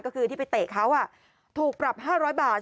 ก็คือที่ไปเตะเขาถูกปรับ๕๐๐บาท